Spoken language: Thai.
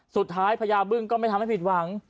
สุดท้ายพระยาบึงก็ไม่ทำให้ผิดหวัง